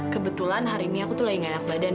kebetulan hari ini aku tuh lagi gak enak badan